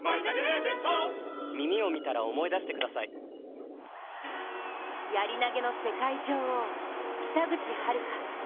続くやり投げの世界女王・北口榛花。